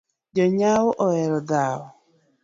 Jonyao ohero dhao